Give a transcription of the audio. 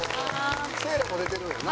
せいらも出てるんやな？